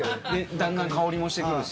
だんだん香りもしてくるし。